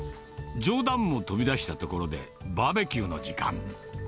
冗談も飛び出したところで、バーベキューの時間。